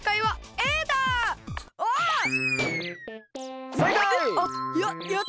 えっ？